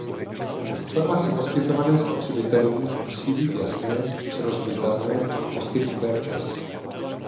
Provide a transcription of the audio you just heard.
Informace poskytované spotřebitelům musí být jasné, srozumitelné a poskytnuté včas.